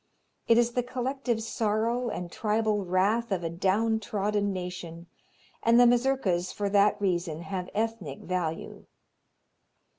It is the collective sorrow and tribal wrath of a down trodden nation, and the mazurkas for that reason have ethnic value.